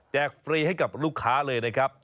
ฟรีให้กับลูกค้าเลยนะครับ